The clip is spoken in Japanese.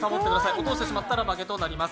落としてしまったら負けとなります。